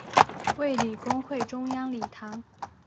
卫理公会中央礼堂。